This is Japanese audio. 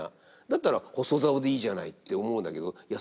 だったら細棹でいいじゃないって思うんだけどいや